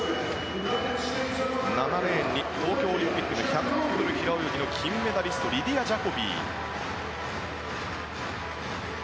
７レーンに東京オリンピックの１００ｍ平泳ぎ金メダリストリディア・ジャコビー。